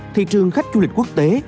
thị trường khách du lịch quốc tế